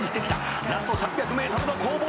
「ラスト３００ｍの攻防